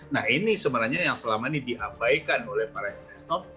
nah ini sebenarnya yang selama ini diabaikan oleh para investor